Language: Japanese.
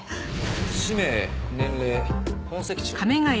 氏名年齢本籍地は？